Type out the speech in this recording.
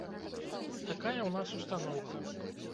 Такая ў нас устаноўка.